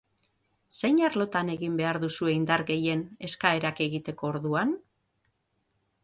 Zein arlotan egin behar duzue indar gehien eskaerak egiteko orduan?